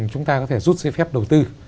chúng ta có thể rút giấy phép đầu tư